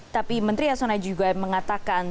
tapi menteri yasona juga mengatakan